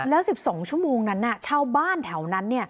แล้ว๑๒ชั่วโมงนั้นชาวบ้านแถวนั้น